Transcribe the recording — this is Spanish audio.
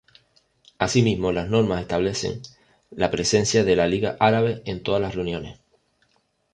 Asimismo, las normas establecen la presencia de la Liga Árabe en todas las reuniones.